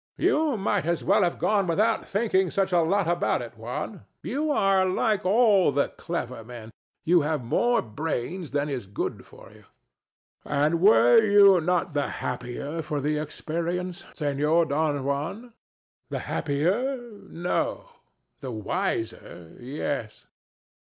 THE STATUE. You might as well have gone without thinking such a lot about it, Juan. You are like all the clever men: you have more brains than is good for you. THE DEVIL. And were you not the happier for the experience, Senor Don Juan? DON JUAN. The happier, no: the wiser, yes.